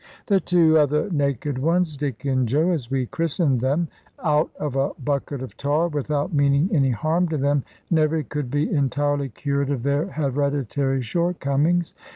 The two other naked ones, Dick and Joe as we christened them out of a bucket of tar, without meaning any harm to them never could be entirely cured of their hereditary shortcomings.